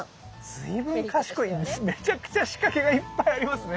随分賢いめちゃくちゃ仕掛けがいっぱいありますね。